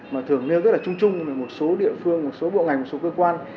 mà thường nêu rất là trung trung một số địa phương một số bộ ngành một số cơ quan